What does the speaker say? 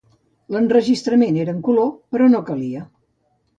L'enregistrament era en color, però no calia.